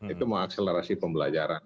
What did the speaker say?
itu mau akselerasi pembelajaran